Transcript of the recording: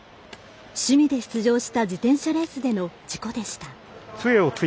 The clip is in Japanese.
趣味で出場した自転車レースでの事故でした。